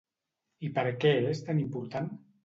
I per què és tan important?